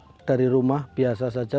terlihat rusak dari rumah biasa saja